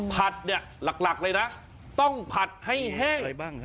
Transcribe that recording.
ผัดเนี่ยหลักเลยนะต้องผัดให้แห้ง